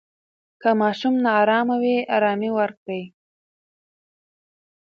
که ماشوم نا آرامه وي، آرامۍ ورکړئ.